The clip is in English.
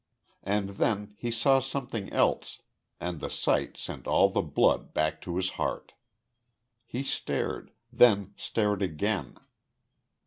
And then he saw something else, and the sight sent all the blood back to his heart. He stared, then stared again.